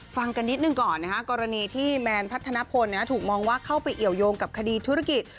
ฟังกันนิดหนึ่งก่อนนะฮะกรณีที่แมนพัฒนพลถูกมองว่าเข้าไปเอี่ยวยงกับคดีธุรกิจ